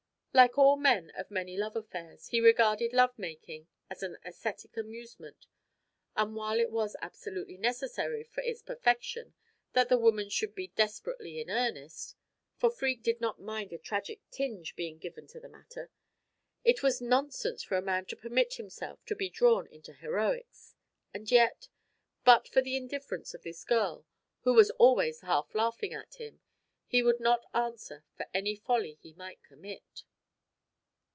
Like all men of many love affairs, he regarded love making as an æsthetic amusement; and while it was absolutely necessary for its perfection that the woman should be desperately in earnest for Freke did not mind a tragic tinge being given to the matter it was nonsense for a man to permit himself to be drawn into heroics and yet but for the indifference of this girl, who was always half laughing at him he would not answer for any folly he might commit.